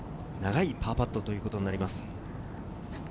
この後、池村は長いパーパットということになります。